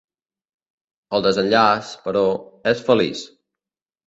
El desenllaç, però, és feliç.